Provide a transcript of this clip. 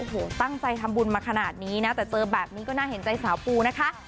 โอ้โหตั้งใจทำบุญมาขนาดนี้นะแต่เจอแบบนี้ก็น่าเห็นใจสาวปูนะคะ